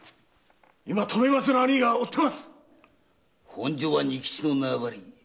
本所は仁吉の縄張り。